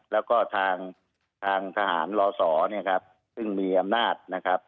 แล้วก็ทางทหารลศเนี่ยครับซึ่งมีอำนาจนะครับ